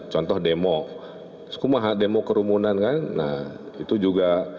contoh demo skumaha demo kerumunan kan nah itu juga